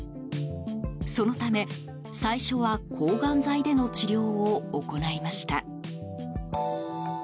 そのため最初は、抗がん剤での治療を行いました。